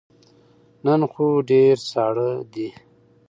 نن خو ډیر ساړه دی